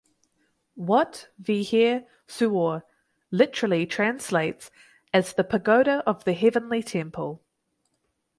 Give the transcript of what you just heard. Wat Vihear Suor literally translates as the "pagoda of the heavenly temple".